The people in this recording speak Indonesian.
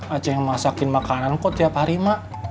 ada yang masakin makanan kok tiap hari mak